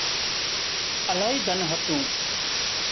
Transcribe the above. الاهي ڌن هتون